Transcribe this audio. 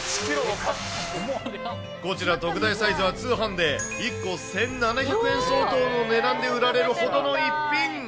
こちら、特大サイズは通販で１個１７００円相当の値段で売られるほどの逸品。